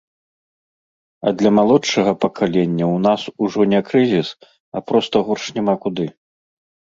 А для малодшага пакалення ў нас ужо не крызіс, а проста горш няма куды.